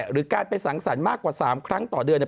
หรือการไปสังสรรค์มากกว่า๓ครั้งต่อเดือนเนี่ย